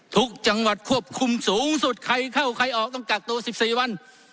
ทุกจังหวัดควบคุมสูงสุดใครเข้าใครออกต้องกักตัว๑๔วัน